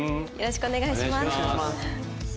よろしくお願いします。